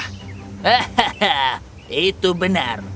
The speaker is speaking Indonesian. hahaha itu benar